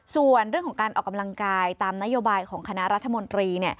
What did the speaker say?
ส่วนเรื่องของการออกกำลังกายตามนโยบายของคณะรัฐมนตรี